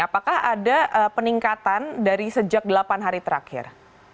apakah ada peningkatan dari sejak delapan hari terakhir